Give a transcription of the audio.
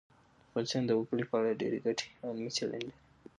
افغانستان د وګړي په اړه ډېرې ګټورې او علمي څېړنې لري.